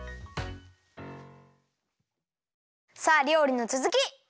さありょうりのつづき！